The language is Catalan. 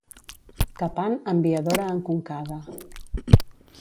Capant amb viadora enconcada.